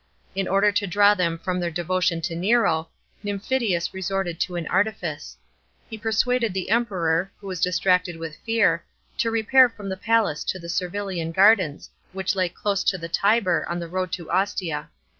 In order to draw them from their devotion to Nero, Nymphidius resorted to an artifice. He persuaded the Emperor, who was distracted with fear, to repair from the palace to the Servilian gardens, which lay close to the Tiber, on the road to Ostia.